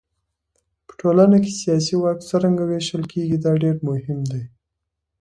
په ټولنه کې سیاسي واک څرنګه وېشل کېږي دا ډېر مهم دی.